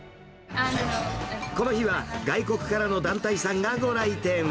この日は外国からの団体さんがご来店。